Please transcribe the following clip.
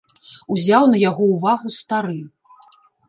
Узяў на яго ўвагу стары.